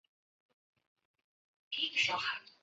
乌尔克河畔普吕斯利。